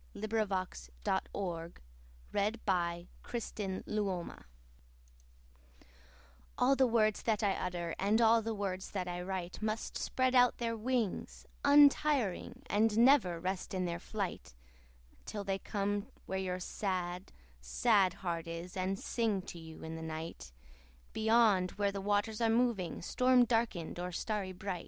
b. 1865 862. Where My Books go ALL the words that I utter, And all the words that I write, Must spread out their wings untiring, And never rest in their flight, Till they come where your sad, sad heart is, 5 And sing to you in the night, Beyond where the waters are moving, Storm darken'd or starry brigh